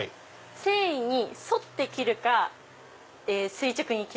繊維に沿って切るか垂直に切るか。